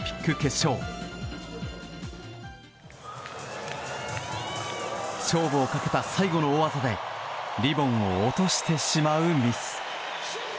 勝負をかけた最後の大技でリボンを落としてしまうミス。